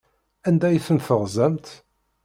Anda ay ten-teɣzamt?